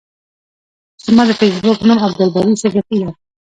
زما د فیسبوک نوم عبدالباری صدیقی ده.